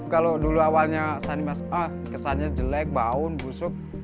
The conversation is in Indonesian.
kalau dulu awalnya sanimas ah kesannya jelek baun busuk